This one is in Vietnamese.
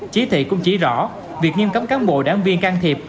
chí thị cũng chỉ rõ việc nghiêm cấm cán bộ đáng viên can thiệp